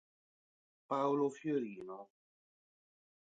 Paolo Fiorino